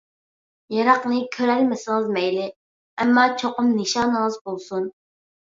يىراقنى كۆرەلمىسىڭىز مەيلى، ئەمما چوقۇم نىشانىڭىز بولسۇن.